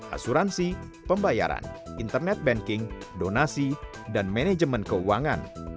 asuransi pembayaran internet banking donasi dan manajemen keuangan